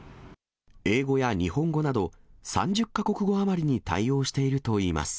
英語や日本語など、３０か国語余りに対応しているといいます。